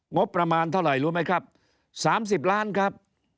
งบประมาณเท่าไหร่รู้ไหมครับ๓๐ล้านครับ